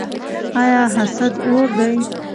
آیا حسد اور دی؟